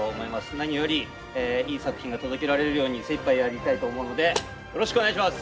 何よりいい作品が届けられるように精いっぱいやりたいと思うのでよろしくお願いします。